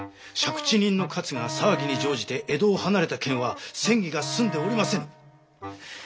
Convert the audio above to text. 借地人の勝が騒ぎに乗じて江戸を離れた件は詮議が済んでおりませぬ。